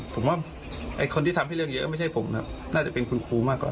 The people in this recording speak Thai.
ผมว่าไอ้คนที่ทำให้เรื่องเยอะไม่ใช่ผมนะน่าจะเป็นคุณครูมากกว่า